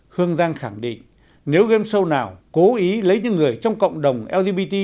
hương giang khẳng định nếu game show nào cố ý lấy những người trong cộng đồng lgbt